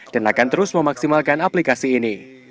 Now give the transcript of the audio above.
dan akan terus memaksimalkan aplikasi ini